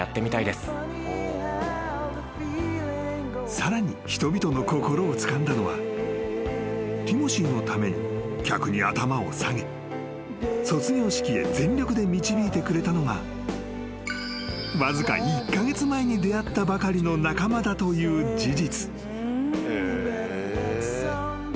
［さらに人々の心をつかんだのはティモシーのために客に頭を下げ卒業式へ全力で導いてくれたのがわずか１カ月前に出会ったばかりの仲間だという事実］